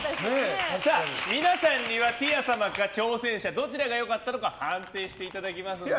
皆さんにはティア様か挑戦者どちらが良かったのか判定していただきます。